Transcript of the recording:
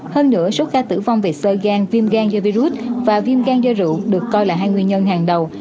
hơn nữa số ca tử vong về sơ gan viêm gan do virus và viêm gan gia rượu được coi là hai nguyên nhân hàng đầu